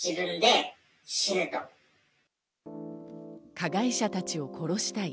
加害者たちを殺したい。